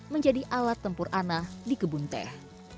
menjadi alat tempur ana di kebun teh